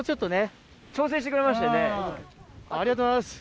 ありがとうございます。